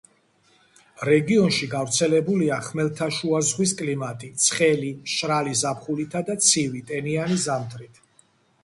რეგიონში გავრცელებულია ხმელთაშუაზღვის კლიმატი, ცხელი, მშრალი ზაფხულითა და ცივი, ტენიანი ზამთრით.